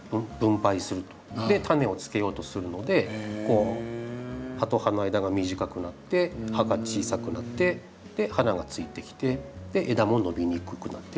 種をつけようとするので葉と葉の間が短くなって葉が小さくなって花がついてきて枝も伸びにくくなってるっていう状態ですね。